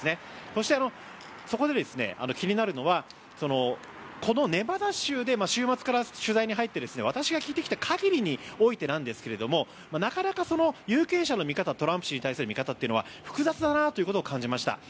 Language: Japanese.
そして、そこで気になるのはこのネバダ州で週末から取材に入って私が聞いてきた限りにおいてですがなかなか有権者の見方トランプ氏に対する見方は複雑だなと感じました。